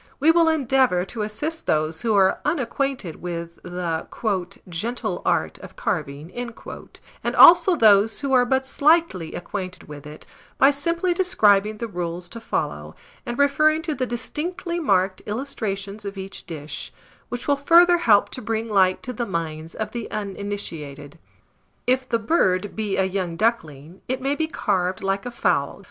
We will endeavour to assist those who are unacquainted with the "gentle art of carving," and also those who are but slightly acquainted with it, by simply describing the rules to follow, and referring to the distinctly marked Illustrations of each dish, which will further help to bring light to the minds of the uninitiated. If the bird be a young duckling, it may be carved like a fowl, viz.